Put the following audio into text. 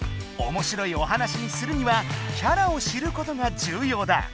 おもしろいお話にするにはキャラを知ることがじゅうようだ。